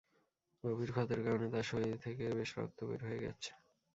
গভীর ক্ষতের কারণে তাঁর শরীর থেকে বেশ রক্ত বের হয়ে গেছে।